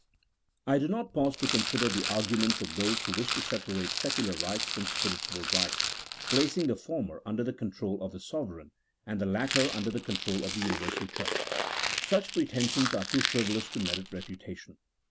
I do not pause to consider the arguments of those who wish to separate secular rights from spiritual rights,, placing the former under the control of the sovereign, and the latter under the control of the universal Church ; such pretensions are too frivolous to merit refutation.